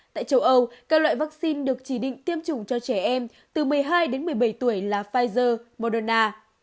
tại châu âu các loại vaccine được chỉ định tiêm chủng cho trẻ em từ một mươi hai đến một mươi bảy tuổi là pfizer moderna